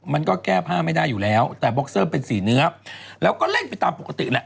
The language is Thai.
มันก็แก้ผ้าไม่ได้อยู่แล้วแต่บ็อกเซอร์เป็นสีเนื้อแล้วก็เล่นไปตามปกติแหละ